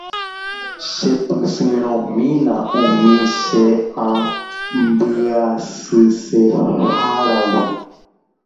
Chepysyrõmína umi che ã mbyaiseháragui.